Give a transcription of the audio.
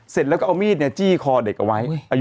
เสร็จแล้วก็เอามีดจี้คอเด็กเอาไว้อายุ